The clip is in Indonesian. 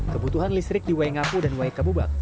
kebutuhan listrik di waingapu dan waikabubak